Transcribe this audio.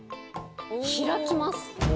開きます。